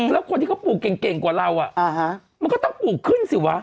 แล้วคนที่เขาปลูกเก่งกว่าเรามันก็ต้องปลูกขึ้นสิวะ